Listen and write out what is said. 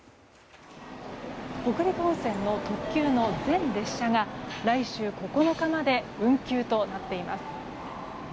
北陸本線の特急の全列車が来週９日まで運休となっています。